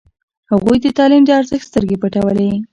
هغوی د تعلیم د ارزښت سترګې پټولې.